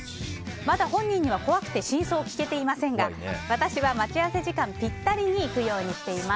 まだ本人には怖くて真相を聞けていませんが私は待ち合わせ時間ぴったりに行くようにしています。